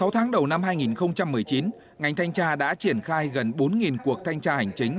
sáu tháng đầu năm hai nghìn một mươi chín ngành thanh tra đã triển khai gần bốn cuộc thanh tra hành chính